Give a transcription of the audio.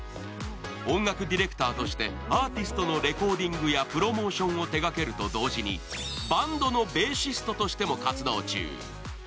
音楽ディレクターとしてアーティストのレコーディングやプロモーションを手がけると同時にバンドのベーシストとしても活動中。